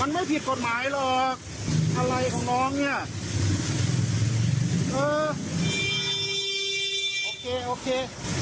มันไม่ผิดกฎหมายหรอกอะไรของน้องเนี่ยเออโอเคโอเคโอเค